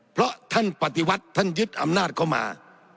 เพราะท่านปฏิวัติท่านยึดอำนาจเข้ามา